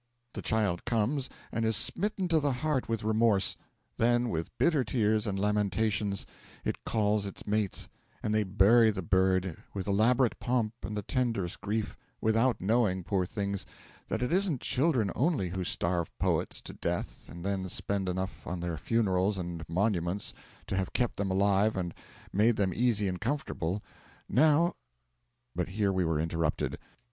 The child comes, and is smitten to the heart with remorse: then, with bitter tears and lamentations, it calls its mates, and they bury the bird with elaborate pomp and the tenderest grief, without knowing, poor things, that it isn't children only who starve poets to death and then spend enough on their funerals and monuments to have kept them alive and made them easy and comfortable. Now ' But here we were interrupted.